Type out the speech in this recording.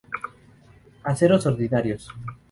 Aceros ordinarios.